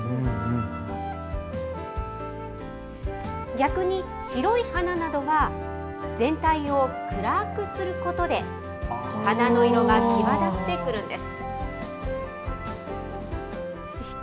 逆に、白い花などは全体を暗くすることで、花の色が際立ってくるんです。